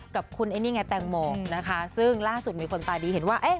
กับคุณไอ้นี่ไงแตงโมนะคะซึ่งล่าสุดมีคนตาดีเห็นว่าเอ๊ะ